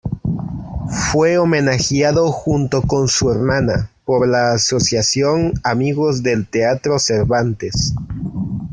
Fue homenajeado, junto con su hermana, por la Asociación Amigos del Teatro Cervantes.